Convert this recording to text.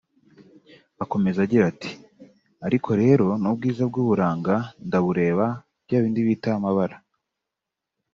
Akomeza agira ati “Ariko rero n’ubwiza bw’uburanga ndabureba bya bindi bita amabara